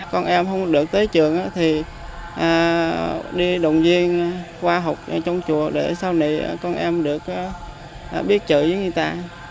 con em không được tới trường thì đi động viên khoa học trong chùa để sau này con em được biết chữ với người ta